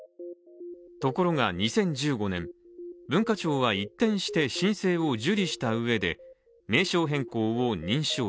ところが２０１５年、文化庁は一転して申請を受理したうえで名称変更を認証